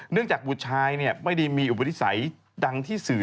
เนื่องจากบุตรชายเนี่ยไม่ได้มีอุบัติศัยดังที่สื่อ